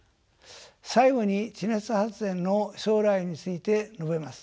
最後に地熱発電の将来について述べます。